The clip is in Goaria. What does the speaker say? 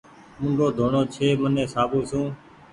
موڍو ڌوڻو ڇي مني صآبو سون